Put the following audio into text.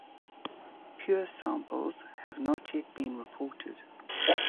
Pure samples have not yet been reported.